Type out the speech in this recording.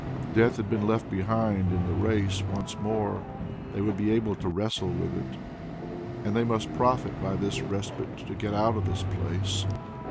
Death had been left behind in the race once more; they would be able to wrestle with it, and they must profit by this respite to get out of this place.